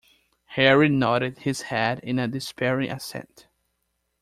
Harry nodded his head in a despairing assent.